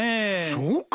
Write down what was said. そうか。